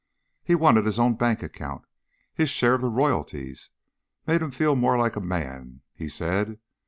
"He wanted his own bank account; his share of the royalties. Made him feel more like a man, he said.